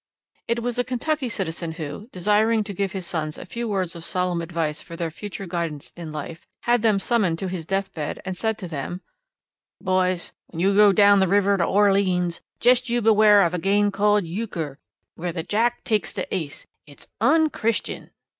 It was a Kentucky citizen who, desiring to give his sons a few words of solemn advice for their future guidance in life, had them summoned to his deathbed and said to them, 'Boys, when you go down the river to Orleens jest you beware of a game called Yucker where the jack takes the ace; it's unchristian!'